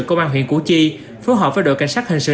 công an huyện củ chi phối hợp với đội cảnh sát hình sự